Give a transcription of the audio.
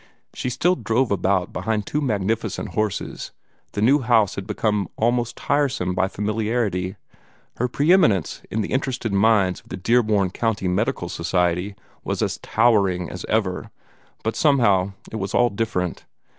She still drove about behind two magnificent horses; the new house had become almost tiresome by familiarity; her pre eminence in the interested minds of the Dearborn County Medical Society was as towering as ever, but somehow it was all different.